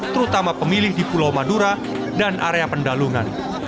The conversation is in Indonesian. terutama pemilih di pulau madura dan area pendalungan